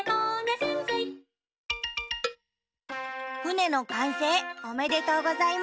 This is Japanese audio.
ふねのかんせいおめでとうございます。